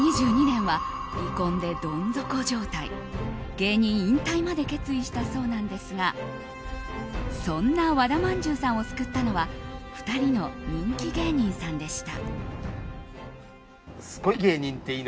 芸人引退まで決意したそうなんですがそんな和田まんじゅうさんを救ったのは２人の人気芸人さんでした。